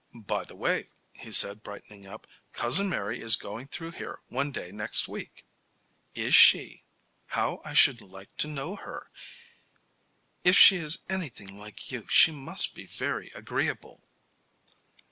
"By the way," he said, brightening up, "Cousin Mary is going through here one day next week." "Is she? How I should like to know her. If she is anything like you she must be very agreeable."